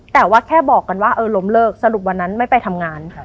แต่ว่าแค่บอกกันว่าเออล้มเลิกสรุปวันนั้นไม่ไปทำงาน